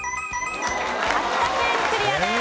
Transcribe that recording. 秋田県クリアです。